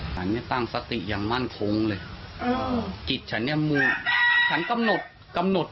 ฉันเนี่ยตั้งสติอย่างมั่นคงเลยกิจฉันเนี่ยมือฉันกำหนด